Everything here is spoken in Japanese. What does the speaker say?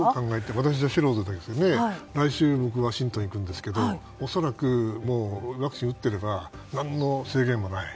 私は素人ですが、来週ワシントンに行くんですけど恐らく、ワクチン打ってれば何の制限もない。